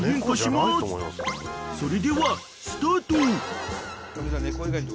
［それではスタート］